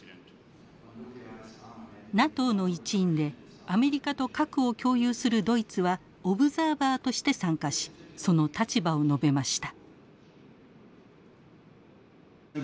ＮＡＴＯの一員でアメリカと核を共有するドイツはオブザーバーとして参加しその立場を述べました。